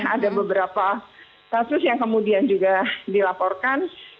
ada beberapa kasus yang kemudian juga dilaporkan